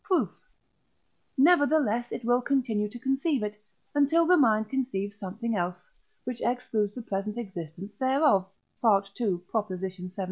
Proof); nevertheless it will continue to conceive it, until the mind conceives something else, which excludes the present existence thereof (II. xvii.)